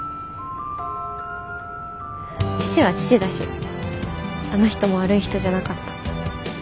父は父だしあの人も悪い人じゃなかった。